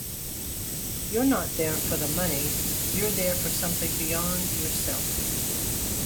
You're not there for the money, you're there for something beyond yourself.